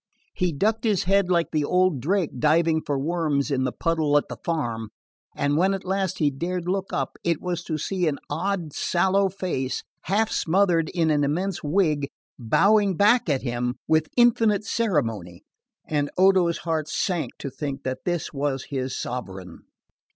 He ducked his head like the old drake diving for worms in the puddle at the farm, and when at last he dared look up, it was to see an odd sallow face, half smothered in an immense wig, bowing back at him with infinite ceremony and Odo's heart sank to think that this was his sovereign.